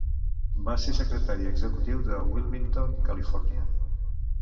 Va ser secretari executiu de Wilmington, Califòrnia.